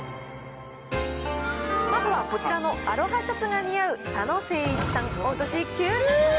まずはこちらのアロハシャツが似合う佐野誠一さん、御年９０歳。